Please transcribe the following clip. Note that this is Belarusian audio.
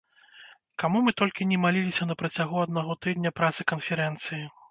Каму мы толькі не маліліся на працягу аднаго тыдня працы канферэнцыі!